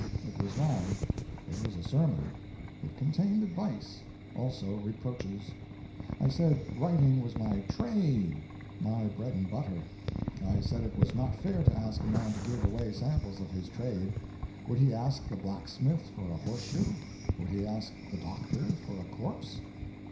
_ It was long; it was a sermon; it contained advice; also reproaches. I said writing was my trade, my bread and butter; I said it was not fair to ask a man to give away samples of his trade; would he ask the blacksmith for a horseshoe? would he ask the doctor for a corpse?